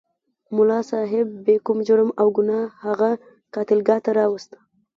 ملا صاحب بې کوم جرم او ګناه هغه قتلګاه ته راوست.